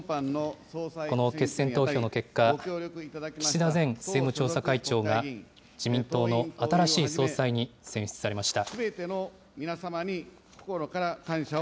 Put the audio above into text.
この決選投票の結果、岸田前政務調査会長が、自民党の新しい総裁に選出されました。